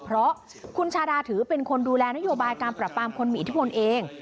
เพราะคุณชาดาถือเป็นคนดูแลนโยบายการปรับปรามคนมีอิทธิพลเอง